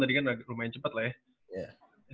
tadi kan lumayan cepat lah ya